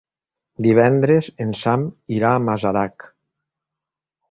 Divendres en Sam irà a Masarac.